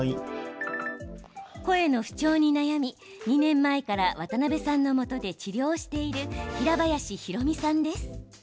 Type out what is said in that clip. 声の不調に悩み、２年前から渡邊さんのもとで治療をしている平林浩美さんです。